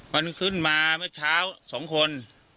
มันขึ้นมาเมื่อเช้า๒คน